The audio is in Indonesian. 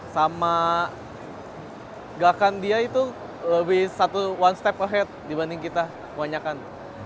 sama gakan dia itu lebih satu one step ahead dibanding kita kebanyakan